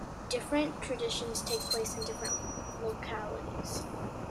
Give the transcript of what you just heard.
Different traditions take place in different localities.